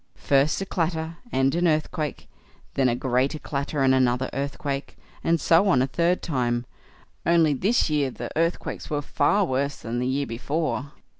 First a clatter and an earthquake, then a greater clatter and another earthquake, and so on a third time; only this year the earthquakes were far worse than the year before.